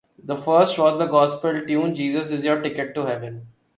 The first was the gospel tune "Jesus Is Your Ticket to Heaven".